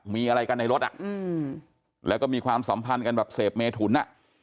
มีอะไรกันในรถแล้วก็มีความสัมพันธ์กันแบบเสพเมถุนอ่ะ